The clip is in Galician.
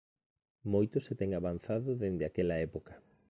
Moito se ten avanzado dende aquela época.